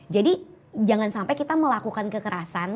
jadi jangan sampai kita melakukan kekerasan